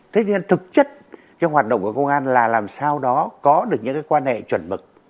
thế nên thực chất cái hoạt động của công an là làm sao đó có được những cái quan hệ chuẩn mực